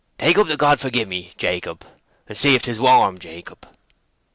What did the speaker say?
"Take up the God forgive me, Jacob. See if 'tis warm, Jacob."